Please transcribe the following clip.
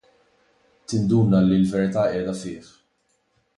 Tinduna li l-verità qiegħda fih.